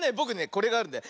これがあるんだよ。